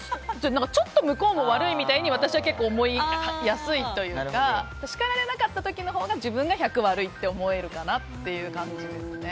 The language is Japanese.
ちょっと向こうも悪いみたいに私は結構思いやすいというか叱られなかった時のほうが自分が１００悪いって思えるかなっていう感じですね。